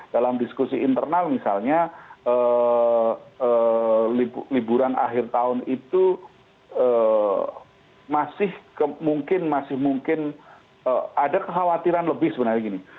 dalam diskusi internal misalnya liburan akhir tahun itu masih mungkin masih mungkin ada kekhawatiran lebih sebenarnya gini